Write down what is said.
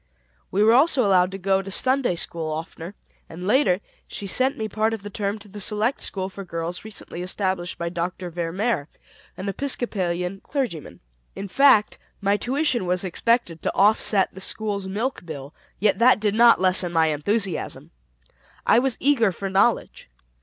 We were also allowed to go to Sunday school oftener, and later, she sent me part of the term to the select school for girls recently established by Dr. Ver Mehr, an Episcopalian clergyman. In fact, my tuition was expected to offset the school's milk bill, yet that did not lessen my enthusiasm. I was eager for knowledge.